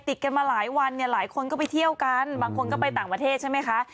ติดกันมาหลายวันเนี่ยหลายคนก็ไปเที่ยวกันบางคนก็ไปต่างประเทศใช่ไหมคะ